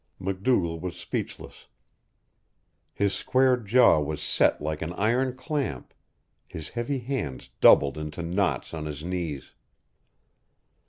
MacDougall was speechless. His square jaw was set like an iron clamp, his heavy hands doubled into knots on his knees.